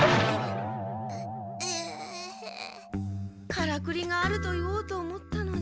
カラクリがあると言おうと思ったのに。